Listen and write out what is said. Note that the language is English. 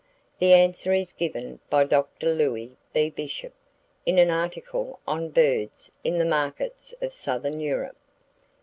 The answer is given by Dr. Louis B. Bishop, in an article on "Birds in the Markets of Southern Europe."